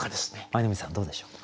舞の海さんどうでしょう？